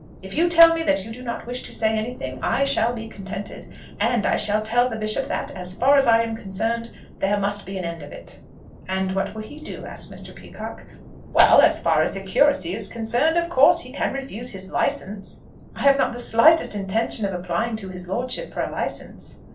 If you tell me that you do not wish to say anything, I shall be contented, and I shall tell the Bishop that, as far as I am concerned, there must be an end of it." "And what will he do?" asked Mr. Peacocke. "Well; as far as the curacy is concerned, of course he can refuse his licence." "I have not the slightest intention of applying to his lordship for a licence."